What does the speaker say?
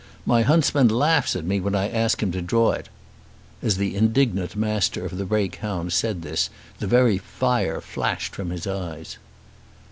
My huntsman laughs at me when I ask him to draw it." As the indignant Master of the Brake Hounds said this the very fire flashed from his eyes.